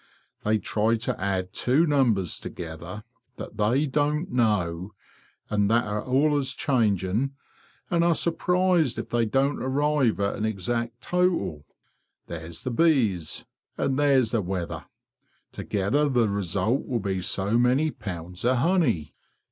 They try to add two numbers together that they don't know, an' that are allers changing, and are surprised if they don't arrive at an exact total. There's the bees, and there's the weather: together the result will be so many pounds of honey.